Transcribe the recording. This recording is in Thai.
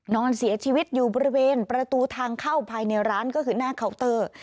นอนเสียชีวิตอยู่บริเวณประตูทางเข้าภายในร้านก็คือหน้าเคาน์เตอร์